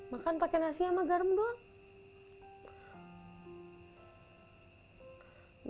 makan pakai nasi sama garam doang